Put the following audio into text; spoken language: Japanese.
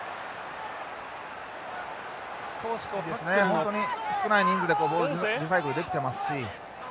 本当に少ない人数でボールリサイクルできてますし。